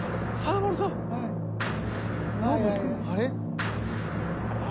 あれ？